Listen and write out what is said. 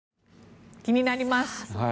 気になります。